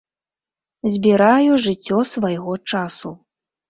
Збіраю жыццё свайго часу.